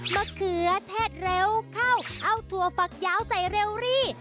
เขือเทศเร็วเข้าเอาถั่วฝักยาวใส่เรวรี่